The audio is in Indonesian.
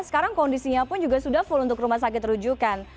sekarang kondisinya pun juga sudah full untuk rumah sakit rujukan